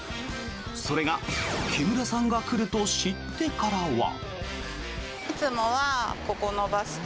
それが木村さんが来ると知ってからは。